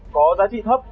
có giá trị thấp